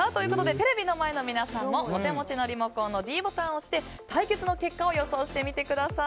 テレビの前の皆さんもお手持ちのリモコンのｄボタンを押して対決の結果を予想してみてください。